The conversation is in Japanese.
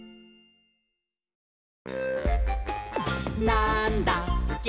「なんだっけ？！